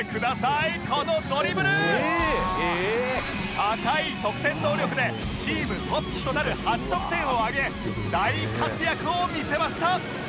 高い得点能力でチームトップとなる８得点を挙げ大活躍を見せました